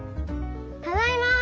ただいま！